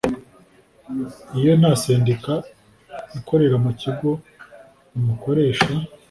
Iyo nta Sendika ikorera mu Kigo umukoresha